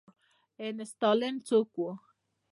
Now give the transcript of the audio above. آینسټاین څوک و؟